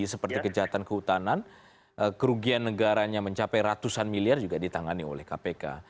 seperti kejahatan kehutanan kerugian negaranya mencapai ratusan miliar juga ditangani oleh kpk